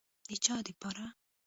د چا دپاره.